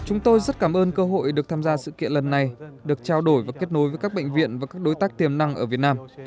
chúng tôi rất cảm ơn cơ hội được tham gia sự kiện lần này được trao đổi và kết nối với các bệnh viện và các đối tác tiềm năng ở việt nam